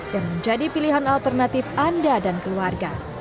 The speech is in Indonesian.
dan menjadi pilihan alternatif anda dan keluarga